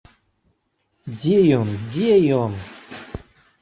Дзе ён, дзе ён?